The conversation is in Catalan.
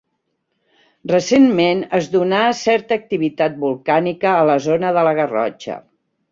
Recentment es donà certa activitat volcànica a la zona de la Garrotxa.